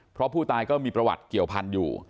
เพราะผู้ตายก็มีประวัติเกี่ยวพันธุ์อยู่